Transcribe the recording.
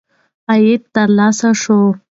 عاید ترلاسه شو.